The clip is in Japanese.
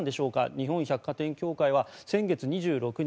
日本百貨店協会は先月２６日